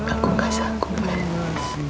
aku masih di tempatmu